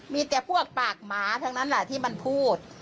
มีแต่พวกปากหมาทั้งนั้นแหละที่มันพูด